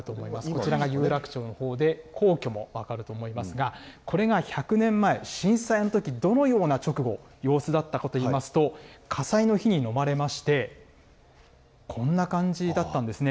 こちらが有楽町のほうで、皇居も分かると思いますが、これが１００年前、震災のとき、どのような直後、様子だったかといいますと、火災の火に飲まれまして、こんな感じだったんですね。